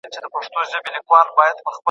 د ده زړه د نامعلومه وېرې له امله درزا کوله.